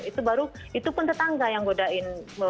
itu baru itu pun tetangga yang godain